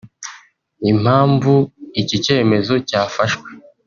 Impamvu iki cyemezo cyafashwe